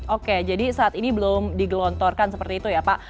oke jadi saat ini belum digelontorkan seperti itu ya pak